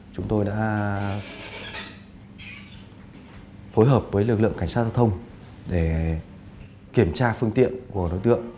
chúng tôi đã phối hợp với lực lượng cảnh sát giao thông để kiểm tra phương tiện của đối tượng